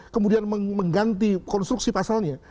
kemudian mengganti konstruksi pasalnya